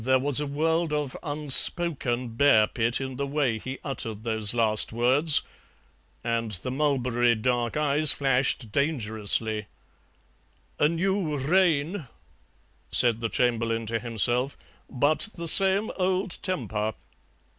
"There was a world of unspoken bear pit in the way he uttered those last words, and the mulberry dark eyes flashed dangerously. "'A new reign,' said the Chamberlain to himself, 'but the same old temper.'